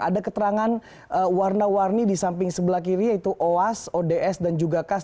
ada keterangan warna warni di samping sebelah kiri yaitu oas ods dan juga kas